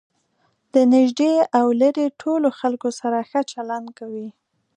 له نژدې او ليري ټولو خلکو سره ښه چلند کوئ!